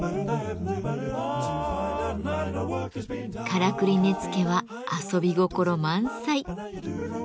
「からくり根付」は遊び心満載。